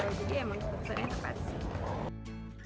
jadi emang suksesnya tepat sih